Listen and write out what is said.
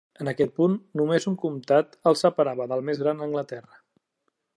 En aquest punt, només un comtat el separava del més gran a Anglaterra.